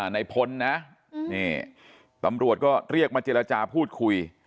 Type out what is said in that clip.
ในพลนะนี่ตำรวจก็เรียกมาเจรจาพูดคุย